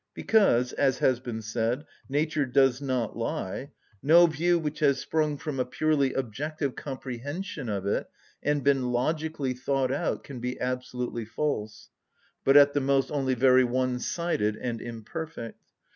Because, as has been said, nature does not lie, no view which has sprung from a purely objective comprehension of it, and been logically thought out, can be absolutely false, but at the most only very one‐sided and imperfect.